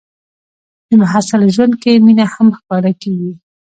د محصل ژوند کې مینه هم راښکاره کېږي.